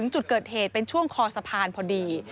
จุดเกิดเหตุเป็นช่วงคอสะพานพอดี